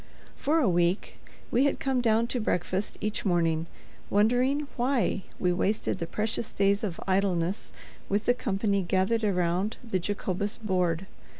For a week we had come down to breakfast each morning, wondering why we wasted the precious days of idleness with the company gathered around the Jacobus board.